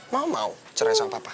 mau mau cerai sama papa